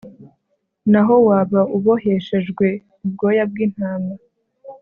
naho waba uboheshejwe ubwoya bw intama